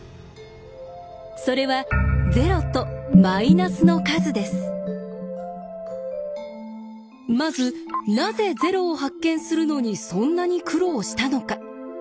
それはまずなぜ０を発見するのにそんなに苦労したのか。